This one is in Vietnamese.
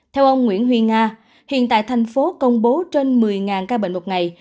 theo ông nguyễn huy nga hiện tại thành phố công bố trên một mươi ca bệnh một ngày